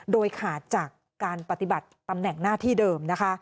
โดยขาดจากการปฏิบัติตำแหน่งหน้าที่เดิมนะคะ